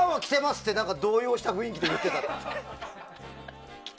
って動揺した雰囲気で言ってたって。